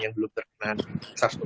yang belum terkena sars cov dua